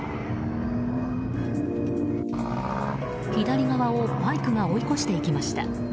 左側をバイクが追い越していきました。